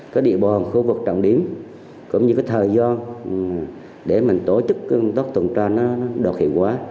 có địa bò khu vực trọng điểm cũng như thời gian để tổ chức tốt tuần tra đột hiệu quá